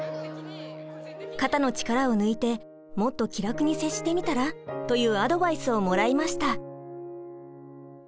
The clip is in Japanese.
「肩の力を抜いてもっと気楽に接してみたら？」というアドバイスをもらいました。